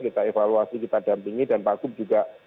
kita evaluasi kita dampingi dan pakup juga